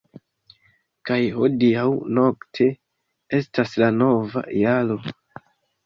- Kaj hodiaŭ-nokte estas la nova jaro!